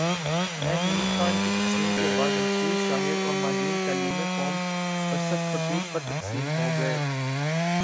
میں ہندوستان کی تقسیم کے بعد، مشہور شاعر اور ماہرین تعلیم قوم پرست خطوط پر تقسیم ہو گئے۔